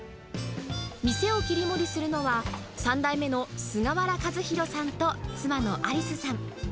店を切り盛りするのは、３代目の菅原和博さんと妻のアリスさん。